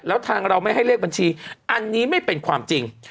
แล้วทางเราไม่ให้เลขบัญชีอันนี้ไม่เป็นความจริง